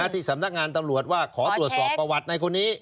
ที่สำนักงานตำรวจว่าขอตรวจสอบประวัติในคนนี้